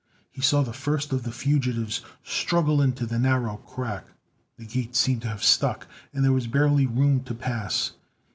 He saw the first of the fugitives struggle into the narrow crack. The gate seemed to have stuck, and there was barely room to pass.